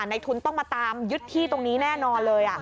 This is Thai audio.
ในทุนต้องมาตามยึดที่ตรงนี้แน่นอนเลย